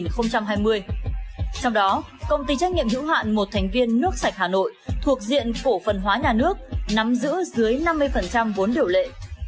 trong đó công ty trách nhiệm hữu hạn một thành viên nước sạch hà nội thuộc diện cổ phần hóa nhà nước nắm giữ dưới năm mươi vốn điều lệ